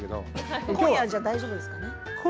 今夜は大丈夫ですかね。